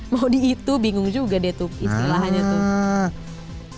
mau di itu bingung juga deh tuh istilahnya tuh